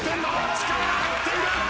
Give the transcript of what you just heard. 力が入っている。